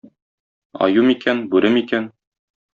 Аю микән, бүре микән?